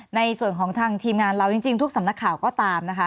ในส่วนของทางทีมงานเราจริงทุกสำนักข่าวก็ตามนะคะ